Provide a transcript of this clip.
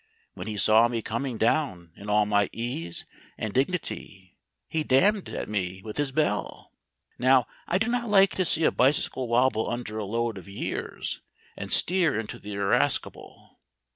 When he saw me coming down in all my ease and dignity he damned at me with his bell. Now, I do not like to see a bicycle wobble under a load of years, and steer into the irascible.